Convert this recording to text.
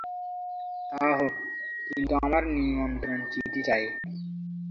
তা হোক, কিন্তু আমার নিমন্ত্রণ-চিঠি চাই।